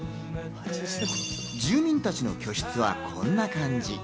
住民たちの居室は、こんな感じ。